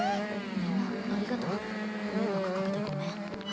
みんなありがとう迷惑かけてごめん